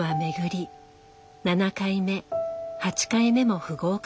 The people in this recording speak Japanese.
７回目８回目も不合格。